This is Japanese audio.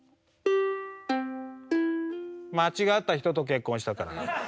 「間違った人と結婚したから」。